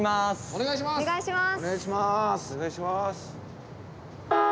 お願いします。